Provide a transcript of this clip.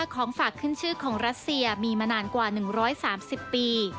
ของฝากขึ้นชื่อของรัสเซียมีมานานกว่า๑๓๐ปี